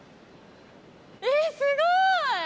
えっすごい！